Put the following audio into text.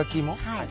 はい。